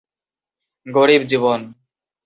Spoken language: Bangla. গরীব জীবন।